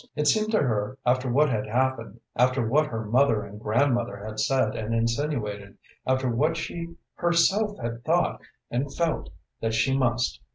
It seemed to her, after what had happened, after what her mother and grandmother had said and insinuated, after what she herself had thought and felt, that she must.